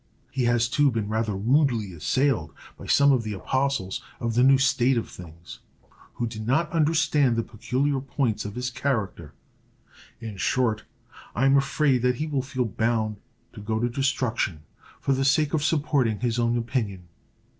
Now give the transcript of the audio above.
He has, too, been rather rudely assailed by some of the apostles of the new state of things, who did not understand the peculiar points of his character; in short, I am afraid that he will feel bound to go to destruction for the sake of supporting his own opinion.